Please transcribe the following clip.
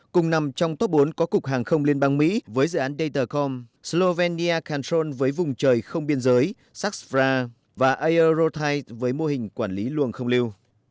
cùng nằm trong top bốn có cục hàng không liên bang mỹ với dự án datacom slovenia control với vùng trời không biên giới saxfra và aerotide với mô hình quản lý luồng không lưu